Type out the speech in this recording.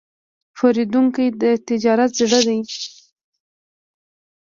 پیرودونکی د تجارت زړه دی.